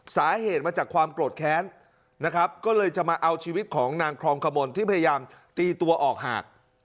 สาเหตุมาจากความโกรธแค้นนะครับก็เลยจะมาเอาชีวิตของนางครองขมลที่พยายามตีตัวออกหาก